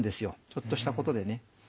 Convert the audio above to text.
ちょっとしたことでね。